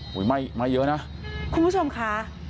ไหม้ไหม้เยอะนะคุณผู้ชมค่ะ